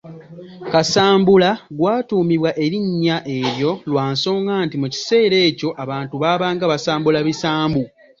Kasambula gwatuumibwa erinnya eryo lwa nsonga nti, mu kiseera ekyo abantu baabanga basambula bisambu.